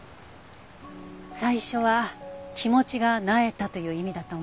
最初は「気持ちがなえた」という意味だと思っていました。